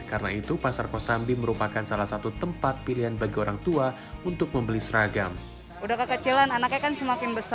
karena itu pasar kosambi merupakan salah satu tempat pilihan bagi orang tua untuk membeli seragam